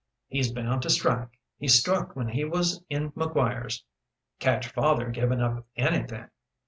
He's bound to strike. He struck when he was in McGuire's. Catch father givin' up anything.